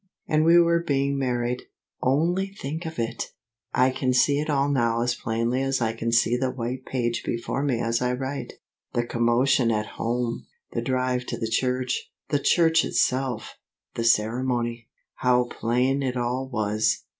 And we were being married; only think of it! I can see it all now as plainly as I can see the white page before me as I write. The commotion at home; the drive to the church; the church itself; the ceremony; how plain it all was!